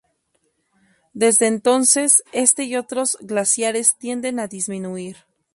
Desde entonces este y otros glaciares tienden a disminuir.